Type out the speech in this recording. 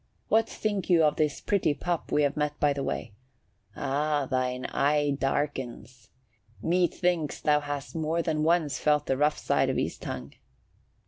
What think you of this pretty pup we have met by the way? Ah, thine eye darkens! Methinks thou hast more than once felt the rough side of his tongue."